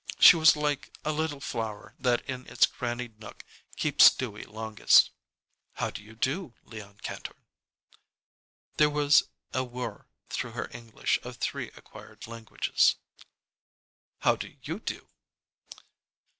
She was like a little flower that in its crannied nook keeps dewy longest. "How do you do, Leon Kantor?" There was a whir through her English of three acquired languages. "How do you do?"